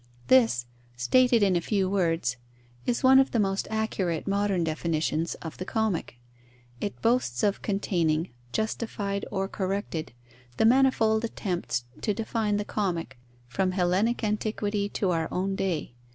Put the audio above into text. This, stated in a few words, is one of the most accurate modern definitions of the comic. It boasts of containing, justified or corrected, the manifold attempts to define the comic, from Hellenic antiquity to our own day.